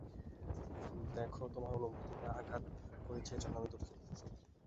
দেখো, তোমার অনুভূতিতে আঘাত করেছি এজন্য আমি দুঃখিত।